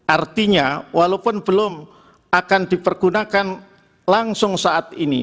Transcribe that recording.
artinya walaupun belum akan dipergunakan langsung saat ini